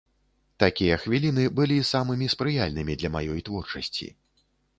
Такія хвіліны былі самымі спрыяльнымі для маёй творчасці.